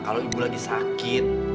kalau ibu lagi sakit